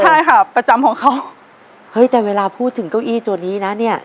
ใช่ค่ะประจำของเขาเฮ้ยแต่เวลาพูดถึงเก้าอี้ตัวนี้นะเนี่ย